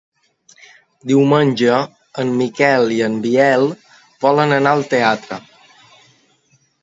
Diumenge en Miquel i en Biel volen anar al teatre.